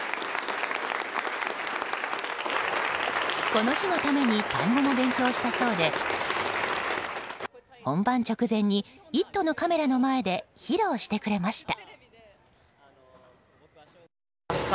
この日のためにタイ語も勉強したそうで本番直前に「イット！」のカメラの前で披露してくれました。